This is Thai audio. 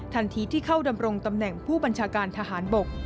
ที่เข้าดำรงตำแหน่งผู้บัญชาการทหารบก